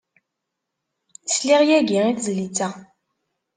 Sliɣ yagi i tezlit-a.